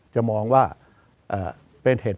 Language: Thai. จะพิจารณาคม